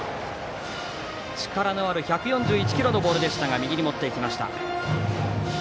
力のある１４１キロのボールでしたが右に持っていきました。